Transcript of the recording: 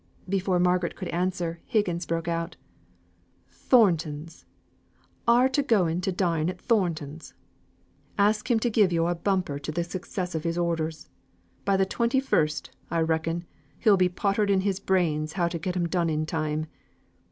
Before Margaret could answer, Higgins broke out, "Thornton's! Ar' t' going to dine at Thornton's? Ask him to give yo' a bumper to the success of his orders. By th' twenty first, I reckon, he'll be pottered in his brains how to get 'em done in time.